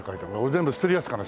全部捨てるやつかな？